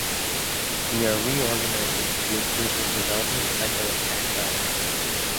We are reorganizing to improve the development cycle of Cacti.